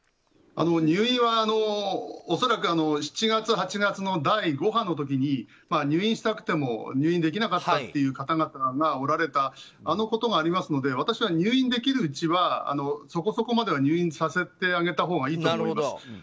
入院は恐らく７月、８月の第５波の時に入院したくても入院できなかったという方々がおられたことがありますので私は入院できるうちはそこそこまでは入院させてあげたほうがいいと思います。